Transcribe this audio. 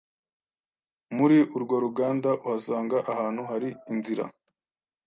Muri urwo ruganda uhasanga ahantu hari inzira